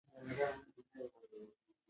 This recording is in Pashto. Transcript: کجوخان د پښتنو یو نومیالی مشر ؤ.